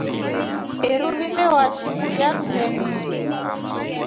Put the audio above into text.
Iru limewashi kula mndeni.